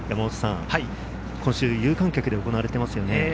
今週、有観客で行われていますよね。